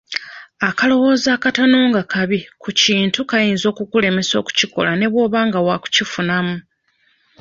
Akalowoozo akatono nga kabi ku kintu kayinza okukulemesa okukikola ne bw'oba wa kukifunamu.